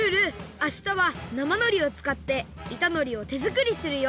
あしたはなまのりをつかっていたのりをてづくりするよ！